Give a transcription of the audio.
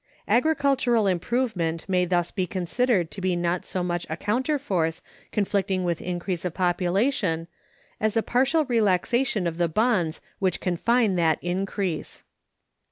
Agricultural improvement may thus be considered to be not so much a counter force conflicting with increase of population as a partial relaxation of the bonds which confine that increase.